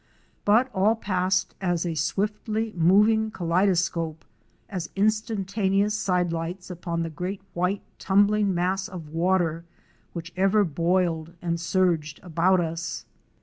But all passed as a swiftly moving kaleido scope, as instantaneous side lights upon the great white tumbling mass of water which ever boiled and surged about us.